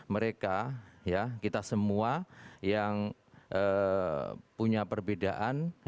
mereka ya kita semua yang punya perbedaan